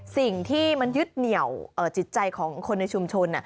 สิ่งที่มันยึดเหนี่ยวจิตใจของคนในชุมชน